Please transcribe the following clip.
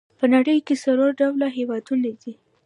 په نړۍ کې څلور ډوله هېوادونه دي.